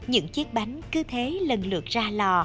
những chiếc bánh cứ thế lần lượt ra lò